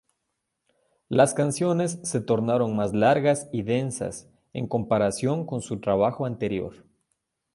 Las canciones se tornaron más largas y densas en comparación con su trabajo anterior.